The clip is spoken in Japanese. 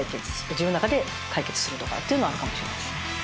自分の中で解決するっていうのはあるかもしれないです。